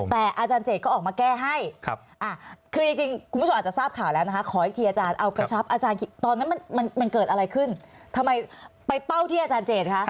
แต่อาจารย์เจตก็ออกมาแก้ให้คือจริงคุณผู้ชมอาจจะทราบข่าวแล้วนะคะขออีกทีอาจารย์เอากระชับอาจารย์ตอนนั้นมันเกิดอะไรขึ้นทำไมไปเป้าที่อาจารย์เจตคะ